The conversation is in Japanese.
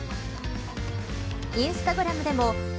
インスタグラムでも＃